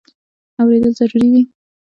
اورېدل ضروري دی.